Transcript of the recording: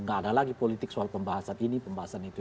gak ada lagi politik soal pembahasan ini pembahasan itu